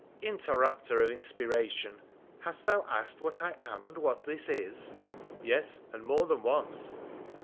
' Interrupter of inspiration ! Hast thou asked what I am, and what this is ?'' Yes ; and more than once.'